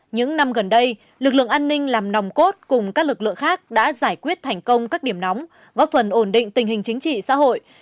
những năm gần đây lực lượng an ninh làm nòng cốt cùng các lực lượng khác đã giải quyết thành công các điểm nóng góp phần ổn định tình hình chính trị xã hội